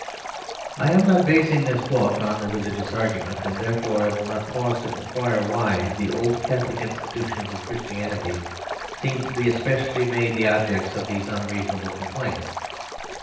I am not basing this book on the religious argument, and therefore I will not pause to inquire why the old Catholic institutions of Christianity seem to be especially made the objects of these unreasonable complaints.